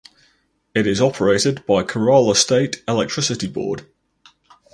It is operated by Kerala State Electricity Board.